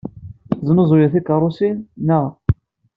Tesnuzuyem tikeṛṛusin, naɣ?